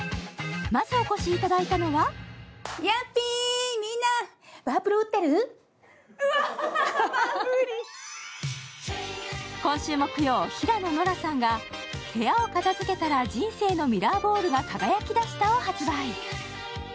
まずお越しいただいたのは今週木曜、平野ノラさんが「部屋を片付けたら人生のミラーボールが輝きだした」を発売。